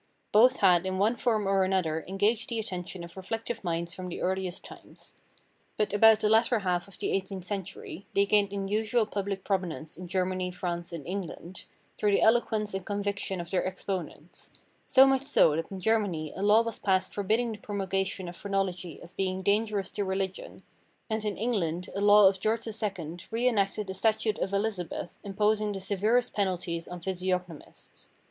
Both had in one form or another engaged the attention of reflective minds from the earliest times. But about the latter half of the eighteenth century, they gained unusual public prominence, in Germany, France and England, through the eloquence and conviction of their exponents ; so much so that in Germany a law was passed forbidding the promulgation of phrenology as being dangerous to religion, and in England a law of George II re enacted a statute of Elizabeth imposing the severest penalties on physiognomists.